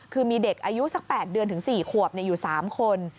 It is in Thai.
คือมีเด็กอายุสัก๘เดือนถึง๔ขวบอยู่๓คน